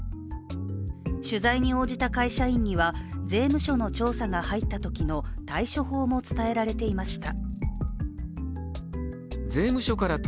取材に応じた会社員には税務署の調査が入ったときの対処法も伝えられていました。